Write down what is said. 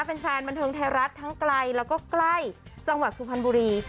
แฟนบันเทิงไทยรัฐทั้งไกลแล้วก็ใกล้จังหวัดสุพรรณบุรี